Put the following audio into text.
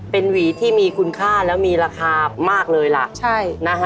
เป็นหวีที่มีคุณค่าแล้วมีราคามากเลยล่ะใช่นะฮะ